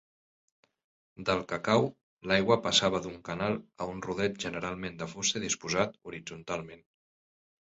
Del cacau, l'aigua passava d'un canal a un rodet generalment de fusta i disposat horitzontalment.